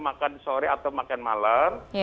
makan sore atau makan malam